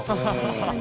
確かに。